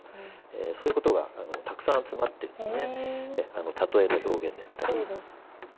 そういう事がたくさん詰まってるんですね。